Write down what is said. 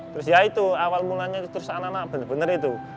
terus ya itu awal mulanya terus anak anak bener bener itu